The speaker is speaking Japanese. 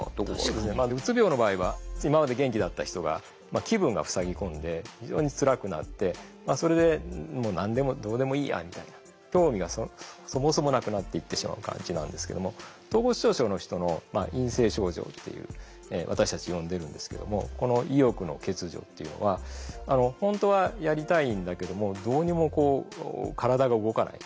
うつ病の場合は今まで元気だった人が気分がふさぎ込んで非常につらくなってそれで何でもどうでもいいやみたいな興味がそもそもなくなっていってしまう感じなんですけども統合失調症の人の陰性症状っていう私たち呼んでるんですけどもこの意欲の欠如っていうのは本当はやりたいんだけどもどうにもこう体が動かない。